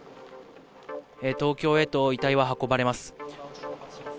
東京へと遺体は運ばれます。